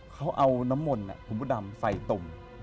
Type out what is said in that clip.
เขาเอาน้ำมนต์ผมผิดดำใส่ตลม